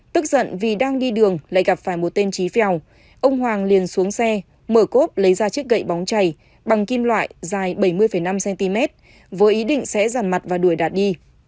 tức giận vì đang đi đường lại gặp phải một tên trí phèo ông hoàng liền xuống xe mở cốp lấy ra chiếc gậy bóng chảy bằng kim loại dài bảy mươi năm cm với ý định sẽ dàn mặt và đuổi đạt đi